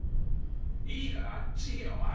いいからあっち行けよおい！